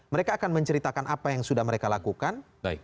mereka akan menceritakan apa yang sudah mereka lakukan